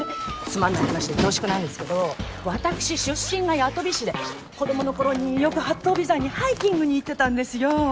つまんない話で恐縮なんですけど私出身が八飛市で子供の頃によく八頭尾山にハイキングに行ってたんですよ。